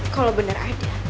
kalau bener ada